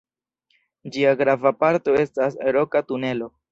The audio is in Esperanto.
Ĝia grava parto estas Roka tunelo.